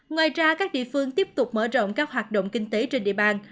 ngoài ra các địa phương tiếp tục mở rộng các hoạt động kinh tế trên địa bàn